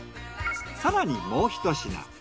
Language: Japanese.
更にもうひと品。